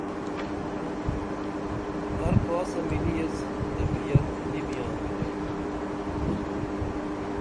ہر کاسہ مِلی ایس طبعت نی بیاں مِلو